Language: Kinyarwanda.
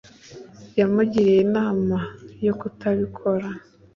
yamugiriye inama yo kutabikora